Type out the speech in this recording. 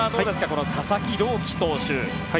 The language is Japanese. この佐々木朗希投手。